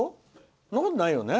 そんなことないよね？